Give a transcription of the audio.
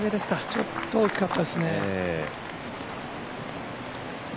ちょっと大きかったですね。